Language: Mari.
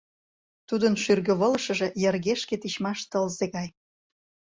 Тудын шӱргывылышыже йыргешке-тичмаш тылзе гай.